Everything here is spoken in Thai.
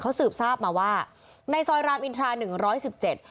เขาสืบทราบมาว่าในซอยรามอินทราหนึ่งร้อยสิบเจ็ด